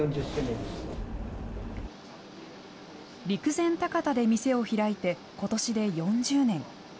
陸前高田で店を開いてことしで４０年。